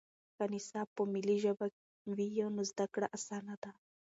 که نصاب په ملي ژبه وي نو زده کړه اسانه ده.